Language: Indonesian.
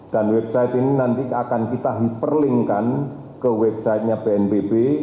dan website ini nanti akan kita hyperlinkan ke websitenya bnpb